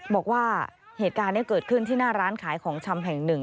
บอกว่าเหตุการณ์นี้เกิดขึ้นที่หน้าร้านขายของชำแห่งหนึ่ง